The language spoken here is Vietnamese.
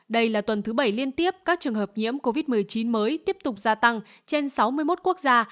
đây là tuần thứ bảy liên tiếp các trường hợp nhiễm covid một mươi chín mới tiếp tục gia tăng trên sáu mươi một quốc gia